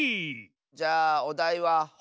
じゃあおだいは「ほ」。